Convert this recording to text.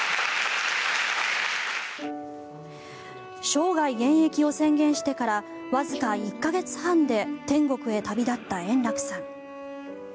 生涯現役を宣言してからわずか１か月半で天国へ旅立った円楽さん。